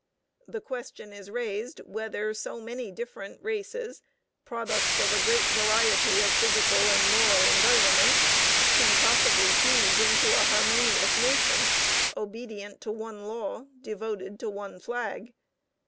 The question is raised whether so many different races, products of a great variety of physical and moral environments, can possibly fuse into a harmonious nation, obedient to one law, devoted to one flag.